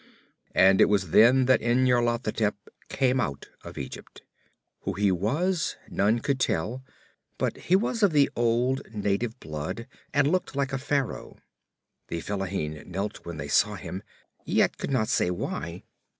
And it was then that Nyarlathotep came out of Egypt. Who he was, none could tell, but he was of the old native blood and looked like a Pharaoh. The fellahin knelt when they saw him, yet could not say why.